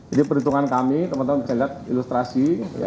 ini perhitungan kami teman teman bisa lihat ilustrasi